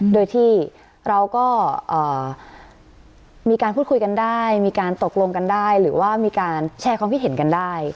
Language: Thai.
โดยที่เราก็มีการพูดคุยกันได้มีการตกลงกันได้หรือว่ามีการแชร์ความคิดเห็นกันได้